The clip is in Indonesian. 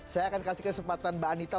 saya akan kasih kesempatan mbak anita